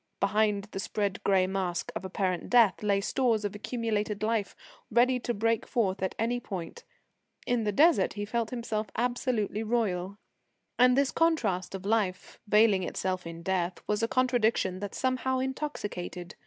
Behind the spread grey masque of apparent death lay stores of accumulated life, ready to break forth at any point. In the Desert he felt himself absolutely royal. And this contrast of Life, veiling itself in Death, was a contradiction that somehow intoxicated.